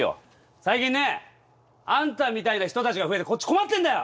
最近ねあんたみたいな人たちが増えてこっち困ってんだよ！